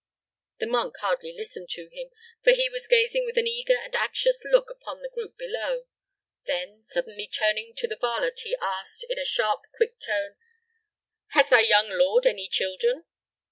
The monk hardly listened to him, for he was gazing with an eager and anxious look upon the group below; then, suddenly turning to the varlet, he asked, in a sharp, quick tone, "Has thy young lord any children?"